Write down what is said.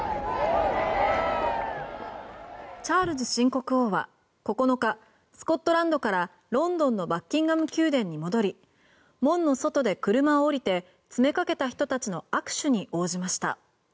チャールズ新国王は９日スコットランドからロンドンのバッキンガム宮殿に戻り門の外で車を降りて詰めかけた人たちの握手に応じました。